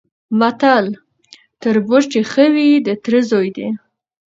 متل: تربور چي ښه وي د تره زوی دی؛